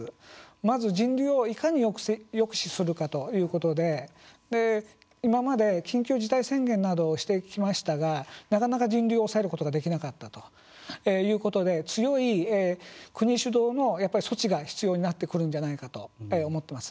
まず人流をいかに抑止するかということで今まで、緊急事態宣言などをしてきましたがなかなか人流を抑えることができなかったということで、強い国主導の措置が必要になってくるんじゃないかと思ってます。